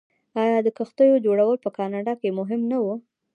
آیا د کښتیو جوړول په کاناډا کې مهم نه و؟